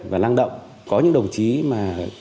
và năng động có những đồng chí mà